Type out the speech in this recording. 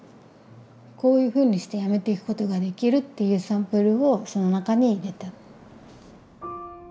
こういうふうにしてやめていくことができるっていうサンプルをその中に入れた。